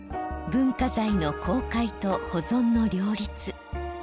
文化財の公開と保存の両立。